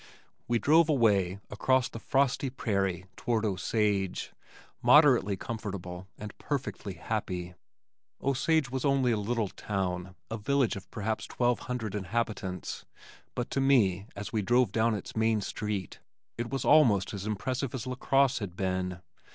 We drove away across the frosty prairie toward Osage moderately comfortable and perfectly happy. Osage was only a little town, a village of perhaps twelve hundred inhabitants, but to me as we drove down its Main Street, it was almost as impressive as LaCrosse had been.